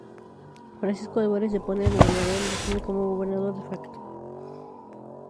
Francisco Álvarez depone al gobernador y asume como gobernador de Facto.